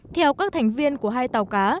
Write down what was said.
theo các thành viên của hai tàu cá